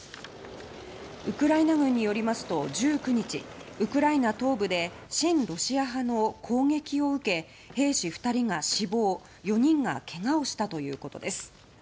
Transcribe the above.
ウクライナ軍によりますと１９日、ウクライナ東部で親ロシア派の攻撃を受け兵士２人が死亡４人がけがをしたということです。